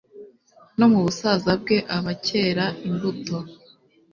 No mu busaza bwe aba akera imbuto